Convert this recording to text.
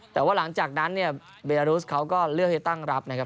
แต่ว่าหลังจากนั้นเนี่ยเบรุสเขาก็เลือกที่จะตั้งรับนะครับ